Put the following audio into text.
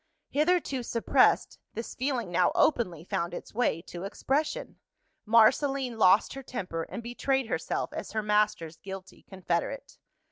Hitherto suppressed, this feeling now openly found its way to expression. Marceline lost her temper; and betrayed herself as her master's guilty confederate.